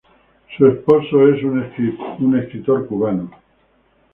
Su esposo es un escritor cubano.